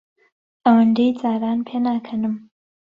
ئەوەندەی جاران پێناکەنم.